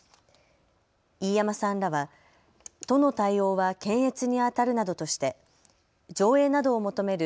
飯山さんらは都の対応は検閲にあたるなどとして上映などを求める